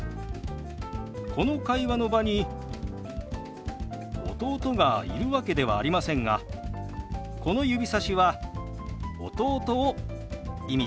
この会話の場に弟がいるわけではありませんがこの指さしは弟を意味しています。